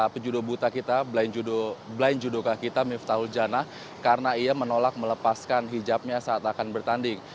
pejudo buta kita blind judoka kita miftahul janah karena ia menolak melepaskan hijabnya saat akan bertanding